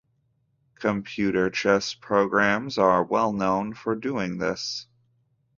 Computer chess programs are well known for doing this.